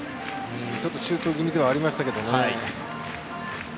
ちょっとシュート気味ではありましたけどね。